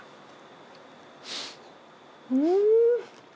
うん！